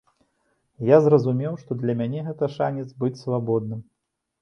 Я зразумеў, што для мяне гэта шанец быць свабодным.